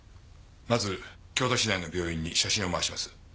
まず京都市内の病院に写真を回します。